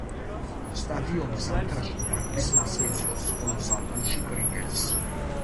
სტადიონი ზამთარში რაგბის მასპინძლობს, ხოლო ზაფხულში კრიკეტს.